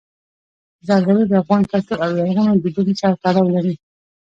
زردالو د افغان کلتور او لرغونو دودونو سره تړاو لري.